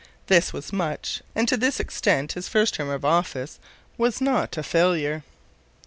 This was much, and to this extent his first term of office was not a failure.